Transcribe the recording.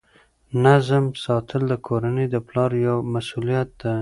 نظم ساتل د کورنۍ د پلار یوه مسؤلیت ده.